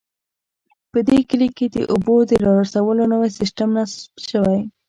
په دې کلي کې د اوبو د رارسولو نوی سیسټم نصب شوی